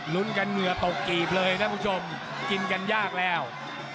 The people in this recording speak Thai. ลุ้นกันเหงื่อตกกีบเลยท่านผู้ชมกินกันยากแล้ว